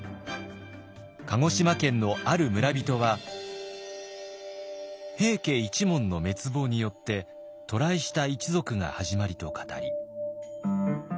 鹿児島県のある村人は平家一門の滅亡によって渡来した一族が始まりと語り。